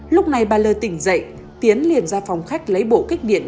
lúc này bà lơ tỉnh dậy tiến liền ra phòng khách lấy bộ kích điện